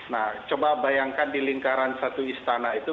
nah coba bayangkan di lingkaran satu istana itu